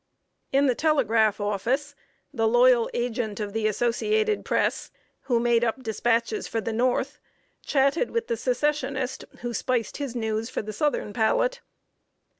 In the telegraph office, the loyal agent of the Associated Press, who made up dispatches for the North, chatted with the Secessionist, who spiced his news for the southern palate.